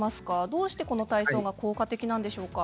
どうしてこの体操が効果的なんでしょうか？